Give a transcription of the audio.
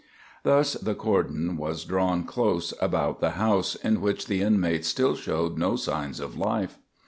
Thus the cordon was drawn close about the house, in which the inmates still showed no signs of life.